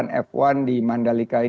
dengan menggelar balapan f satu di mandalika